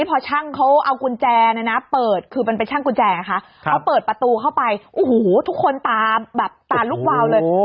พอช่างเค้าเอากุญแจเปิดประตูเข้าไปทุกคนต่ารูกวาวเลย